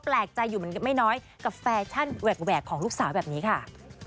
แปลกใจอยู่เหมือนกันไม่น้อยกับแฟชั่นแหวกของลูกสาวแบบนี้ค่ะ